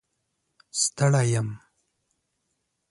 ستړی یم